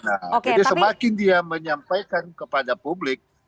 jadi semakin dia menyampaikan kepada publik